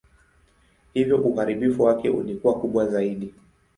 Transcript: Hivyo uharibifu wake ulikuwa kubwa zaidi.